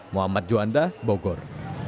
muhammad juanda bogor